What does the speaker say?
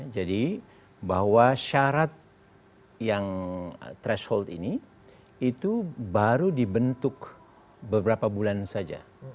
jadi bahwa syarat yang threshold ini itu baru dibentuk beberapa bulan saja